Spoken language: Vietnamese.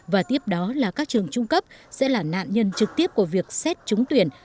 và tiếp đó là các trường trung cấp sẽ là nạn nhân trực tiếp của việc xét trúng tuyển